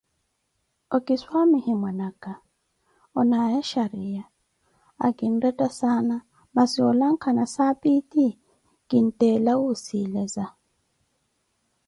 Okiswamihe mwana aka, onaawe xariya, akinretta saana, masi olankha nasaapi eti kinttela wusileza.